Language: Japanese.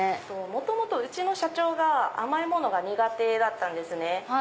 元々うちの社長が甘いものが苦手だったんですね。